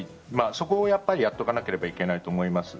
そこをやっておかなければいけないと思います。